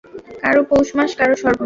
কারো পৌষ মাস, কারো সবর্নাশ।